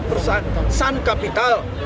perusahaan sun capital